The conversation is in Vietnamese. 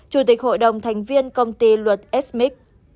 chủ tịch hội đồng thành viên công ty luật smic